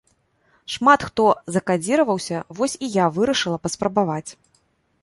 Шмат хто закадзіраваўся, вось і я вырашыла паспрабаваць.